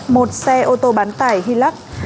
một xe ô tô bán tải hilux